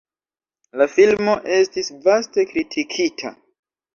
La filmo estis vaste kritikita.